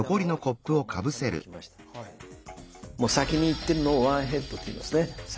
もう先に行ってるのをワン・アヘッドと言いますね。